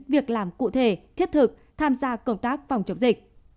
việc làm cụ thể thiết thực tham gia công tác phòng chống dịch